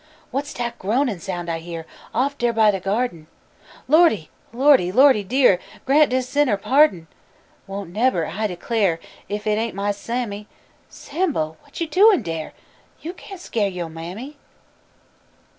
Whass dat groanin' soun' I hear Off dar by de gyardin? Lordy! Lordy! Lordy dear, Grant dis sinner pardon! I won't nebber I declar' Ef it ain't my Sammy! Sambo, what yo' doin' dar? Yo' can't skeer yo' mammy!